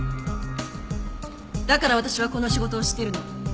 だから私はこの仕事をしてるの。